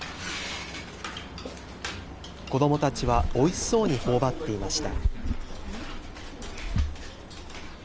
子どもたちはおいしそうにほおばっていました。